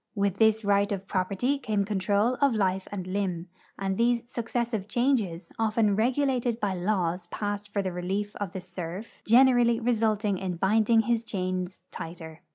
With this right of projAcrty came control of life and limb, and these successive changes, often regulated by hiAvs passed for the relief of the serf, generally resulted in binding his chains tighter.